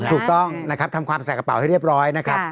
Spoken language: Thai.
ถูกต้องนะครับทำความใส่กระเป๋าให้เรียบร้อยนะครับ